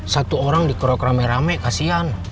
satu orang dikerok rame rame kasihan